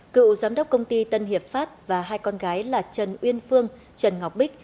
cựu giám đốc công ty tân hiệp pháp và hai con gái là trần uyên phương trần ngọc bích